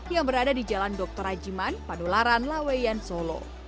yang berada di jalan dr ajiman padularan laweyan solo